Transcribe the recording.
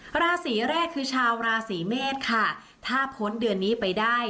ราศีแรกคือชาวราศีเมษค่ะถ้าพ้นเดือนนี้ไปได้